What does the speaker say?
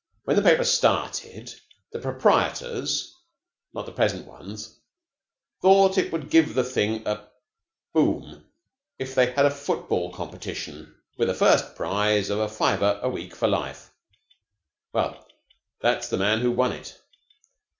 When the paper started, the proprietors not the present ones thought it would give the thing a boom if they had a football competition with a first prize of a fiver a week for life. Well, that's the man who won it.